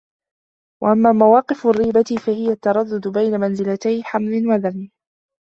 وَأَمَّا مَوَاقِفُ الرِّيبَةِ فَهِيَ التَّرَدُّدُ بَيْنَ مَنْزِلَتَيْ حَمْدٍ وَذَمٍّ